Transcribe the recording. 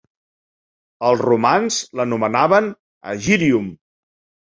Els romans l'anomenaven Agirium.